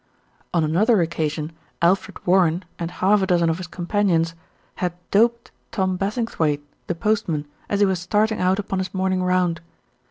On another occasion, Alfred Warren, and half a dozen of his companions, had doped Tom Bassing thwaighte, the postman, as he was starting out upon his morning round.